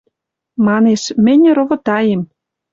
Манеш, мӹньӹ ровотаем